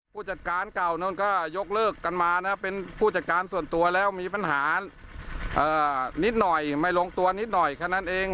ผู้จัดการเก่านู้นก็ยกเลิกกันมานะเป็นผู้จัดการส่วนตัวแล้วมีปัญหานิดหน่อยไม่ลงตัวนิดหน่อยแค่นั้นเอง